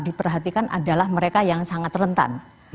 diperhatikan adalah mereka yang sangat rentan